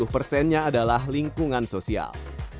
delapan puluh persennya adalah lingkungan sosial